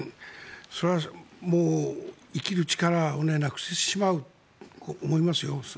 それはもう、生きる力をなくしてしまうと思いますよ。